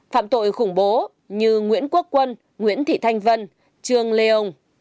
phạm tội khủng bố như nguyễn quốc quân nguyễn thị thanh vân trương lê hồng